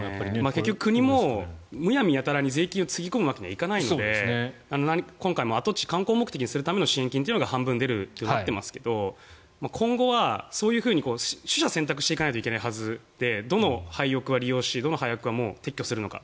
結局、国もむやみやたらに税金をつぎ込むわけにはいかないので今回も跡地を観光目的にするための支援金が半分出るとなっていますが今後はそういうふうに取捨選択していかないといけないはずでどの廃屋は利用してどの廃屋はもう撤去するのか。